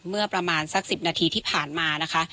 เมื่อประมาณสัก๑๐นาทีที่ผ่านมานะคะ